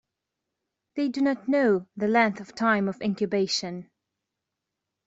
They do not know the length of time of incubation.